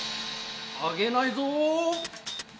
あげないぞ！